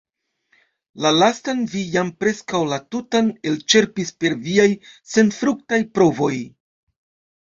La lastan vi jam preskaŭ la tutan elĉerpis per viaj senfruktaj provoj.